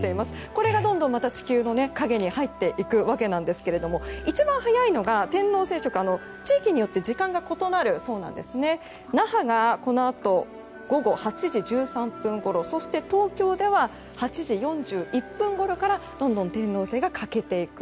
これがどんどん地球の影に入っていくわけですけども一番早いのが、天王星食は地域によって時間が異なるそうで那覇がこのあと午後８時１３分ごろそして、東京では８時４１分ごろからどんどん天王星が欠けていく。